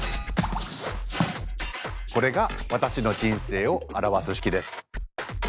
これが私の人生を表す式です。